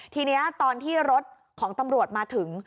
ทีนี้ตอนที่รถของตำรวจมาถึง